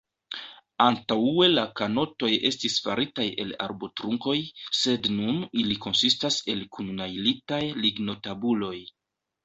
Antaŭe la kanotoj estis faritaj el arbotrunkoj, sed nun ili konsistas el kunnajlitaj lignotabuloj.